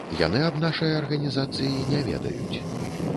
Яны аб нашай арганізацыі не ведаюць.